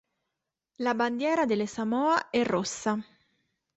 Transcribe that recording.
La Bandiera delle Samoa è rossa.